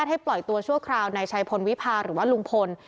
ปล่อยตัวชั่วคราวในชัยพลวิพาหรือว่าลุงพล